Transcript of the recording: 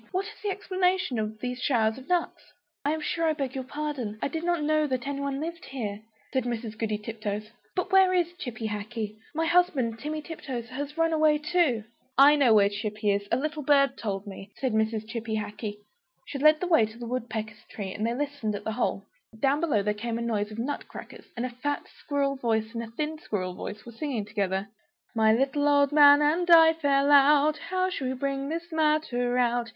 What is the explanation of these showers of nuts?" "I am sure I beg your pardon; I did not know that anybody lived here," said Mrs. Goody Tiptoes; "but where is Chippy Hackee? My husband, Timmy Tiptoes, has run away too." "I know where Chippy is; a little bird told me," said Mrs. Chippy Hackee. She led the way to the woodpecker's tree, and they listened at the hole. Down below there was a noise of nut crackers, and a fat squirrel voice and a thin squirrel voice were singing together "My little old man and I fell out, How shall we bring this matter about?